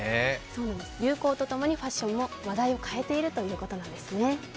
流行とともにファッションも話題を変えているということなんですね。